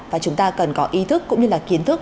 và chúng ta cần có ý thức cũng như là kiến thức